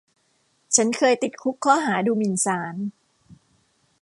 ฉันเคยติดคุกข้อหาดูหมิ่นศาล